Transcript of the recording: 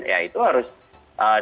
ya itu harus diterima sebagai satu faktor